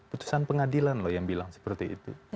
putusan pengadilan loh yang bilang seperti itu